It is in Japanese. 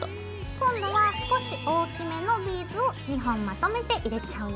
今度は少し大きめのビーズを２本まとめて入れちゃうよ。